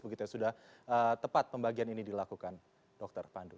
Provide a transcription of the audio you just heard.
begitu sudah tepat pembagian ini dilakukan dr pandu